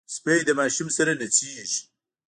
سپي د ماشوم سره نڅېږي.